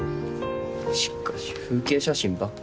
しかし風景写真ばっか。